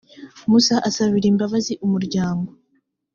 musa asabira imbabazi umuryango.